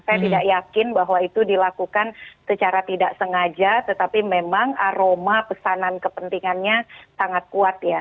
saya tidak yakin bahwa itu dilakukan secara tidak sengaja tetapi memang aroma pesanan kepentingannya sangat kuat ya